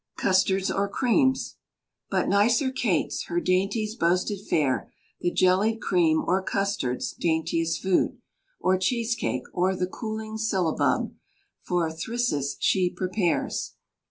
CUSTARDS OR CREAMS. But nicer cates, her dainty's boasted fare, The jellied cream or custards, daintiest food, Or cheesecake, or the cooling syllabub, For Thyrses she prepares.